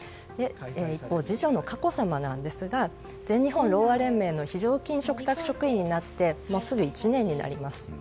一方、次女の佳子さまですが全日本ろうあ連盟の非常勤嘱託職員になってもうすぐ１年になります。